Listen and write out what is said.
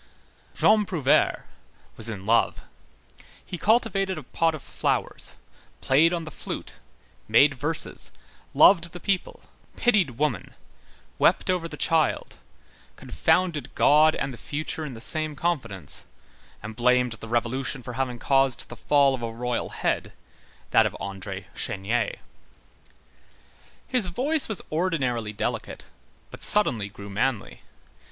Jean Prouvaire was in love; he cultivated a pot of flowers, played on the flute, made verses, loved the people, pitied woman, wept over the child, confounded God and the future in the same confidence, and blamed the Revolution for having caused the fall of a royal head, that of André Chénier. His voice was ordinarily delicate, but suddenly grew manly.